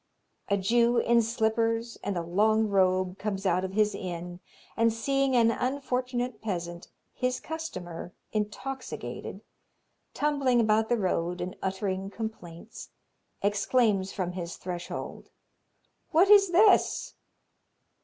A Jew in slippers and a long robe comes out of his inn, and seeing an unfortunate peasant, his customer, intoxicated, tumbling about the road and uttering complaints, exclaims from his threshold, "What is this?"